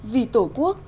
vì tổ quốc